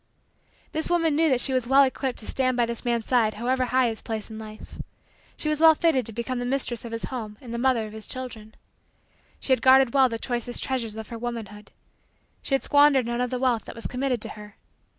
This woman knew that she was well equipped to stand by this man's side however high his place in life. She was well fitted to become the mistress of his home and the mother of his children. She had guarded well the choicest treasures of her womanhood. She had squandered none of the wealth that was committed to her.